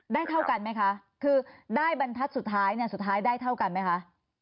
ได้เท่ากันไหมคะคือได้บรรทัศน์สุดท้ายได้เท่ากันไหมคะ